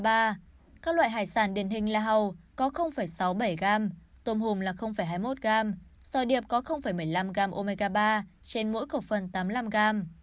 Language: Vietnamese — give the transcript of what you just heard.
các loại hải sản điển hình là hầu có sáu mươi bảy g tôm hùm là hai mươi một g dò điệp có một mươi năm g omega ba trên mỗi cộng phần tám mươi năm g